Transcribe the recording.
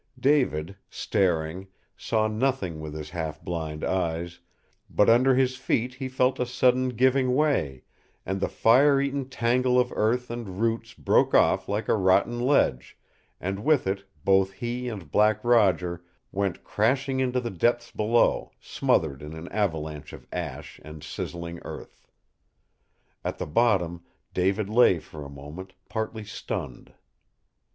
David, staring, saw nothing with his half blind eyes, but under his feet he felt a sudden giving way, and the fire eaten tangle of earth and roots broke off like a rotten ledge, and with it both he and Black Roger went crashing into the depths below, smothered in an avalanche of ash and sizzling earth. At the bottom David lay for a moment, partly stunned.